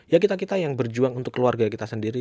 ya kita kita yang berjuang untuk keluarga kita sendiri